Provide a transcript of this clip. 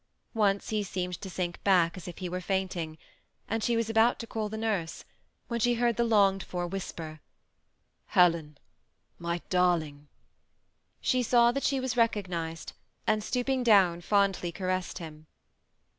Once he seemed to sink back as if he were fainting ; and she was about to call the nurse, when she heard the longed for whisper — "Helen, my darling." She saw that she was recognized, and stooping down, fondly caressed him.